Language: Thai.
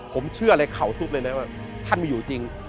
ผมเชื่อเลยเขาสุดเลยนะว่าท่านไม่อยู่จริง